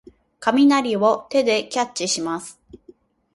雷を手でキャッチします。